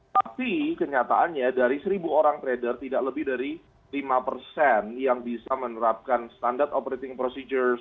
tapi kenyataannya dari seribu orang trader tidak lebih dari lima persen yang bisa menerapkan standar operating procedure